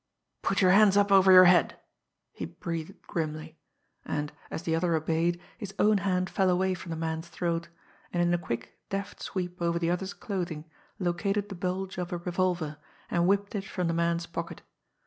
"Put your hands up over your head!" he breathed grimly and, as the other obeyed, his own hand fell away from the man's throat, and in a quick, deft sweep over the other's clothing located the bulge of a revolver, and whipped it from the man's pocket.